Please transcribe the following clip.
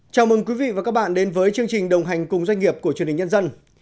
chào mừng quý vị và các bạn đến với chương trình đồng hành cùng doanh nghiệp của truyền hình nhân dân